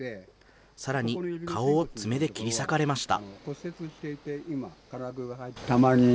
さらに顔を爪で切り裂かれました。